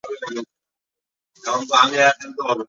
এটা হচ্ছে প্রথম চমৎকার।